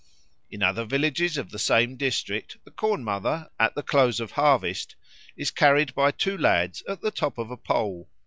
In other villages of the same district the Corn mother, at the close of harvest, is carried by two lads at the top of a pole.